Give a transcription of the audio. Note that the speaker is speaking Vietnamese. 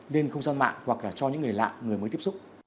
lên không gian mạng hoặc là cho những người lạ người mới tiếp xúc